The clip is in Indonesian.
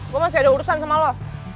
gue masih ada urusan sama lo